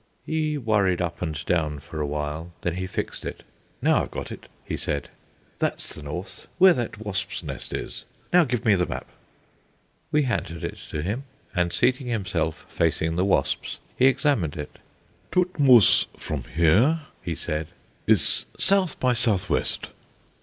He worried up and down for a while, then he fixed it. "Now I've got it," he said; "that's the north, where that wasps' nest is. Now give me the map." We handed it to him, and seating himself facing the wasps, he examined it. "Todtmoos from here," he said, "is south by south west."